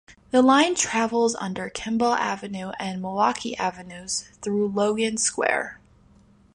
The line travels under Kimball Avenue and Milwaukee Avenues through Logan Square.